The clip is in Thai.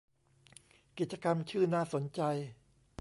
กิจกรรมชื่อน่าสนใจ